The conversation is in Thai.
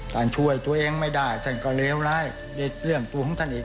ท่านช่วยตัวเองไม่ได้ท่านก็เลวร้ายในเรื่องตัวของท่านเอง